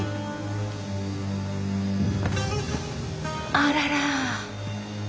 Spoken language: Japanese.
あらら。